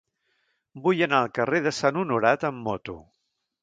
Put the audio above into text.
Vull anar al carrer de Sant Honorat amb moto.